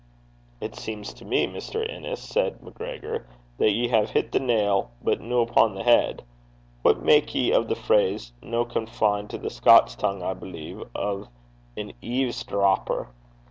'It seems to me, Mr. Innes,' said MacGregor, 'that ye hae hit the nail, but no upo' the heid. What mak' ye o' the phrase, no confined to the Scots tongue, I believe, o' an eaves drapper?